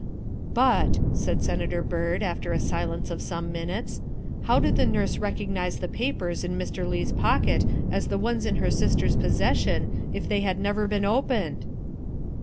" But," said Senator Byrd after a silence of some minutes, " how did the nurse recognize the papers in Mr. Leigh's pocket as the ones in her sister's possession if they had never been opened?"